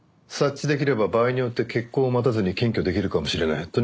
察知できれば場合によって決行を待たずに検挙できるかもしれない。